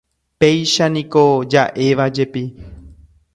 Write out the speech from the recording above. Péichaniko ja'évajepi